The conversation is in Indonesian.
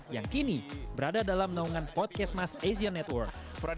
yang kini berada dalam naungan podcast mas asian network